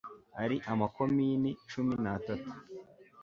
ari ama Komini cumi n atatu